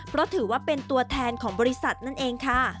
เพราะถือว่าเป็นตัวแทนของบริษัทนั่นเองค่ะ